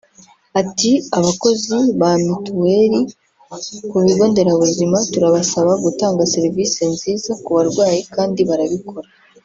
Ati “Abakozi ba mituweli ku bigo nderabuzima turabasaba gutanga serivisi nziza ku barwayi kandi barabikora